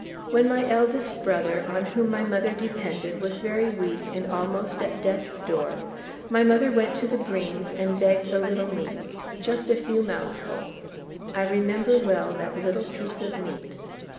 When my eldest brother, on whom my mother depended, was very weak and almost at death's door, my mother went to the Breens and begged a little meat, just a few mouthfuls I remember well that little piece of meat!